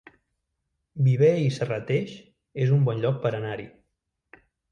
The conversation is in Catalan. Viver i Serrateix es un bon lloc per anar-hi